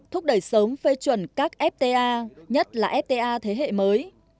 thúc đẩy sớm phê chuẩn các fta nhất là fta thế hệ mới